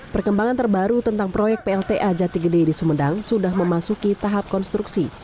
perkembangan terbaru tentang proyek plta jati gede di sumedang sudah memasuki tahap konstruksi